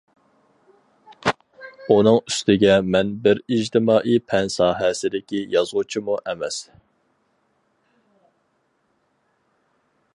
ئۇنىڭ ئۈستىگە مەن بىر ئىجتىمائىي پەن ساھەسىدىكى يازغۇچىمۇ ئەمەس.